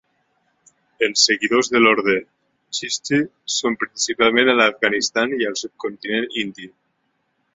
Els seguidors de l'Orde Chishti són principalment a l'Afganistan i al subcontinent indi.